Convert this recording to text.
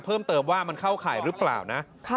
เพิ่มเติมว่ามันเข้าข่ายหรือเปล่านะ